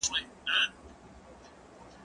که وخت وي، واښه راوړم!؟